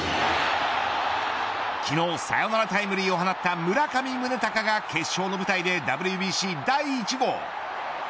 昨日、サヨナラタイムリーを放った村上宗隆が決勝の舞台でＷＢＣ第１号。